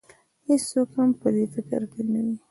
هېڅوک هم په دې فکر کې نه دی.